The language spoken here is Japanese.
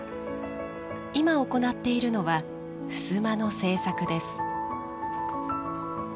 今、行っているのはふすまの制作です。